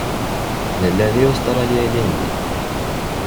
Nella di Usṭralya ilindi.